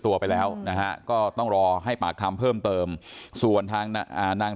ตัวไปแล้วนะฮะก็ต้องรอให้ปากคำเพิ่มเติมส่วนทางอ่านาง